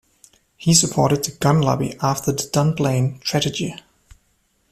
He supported the gun lobby after the Dunblane tragedy.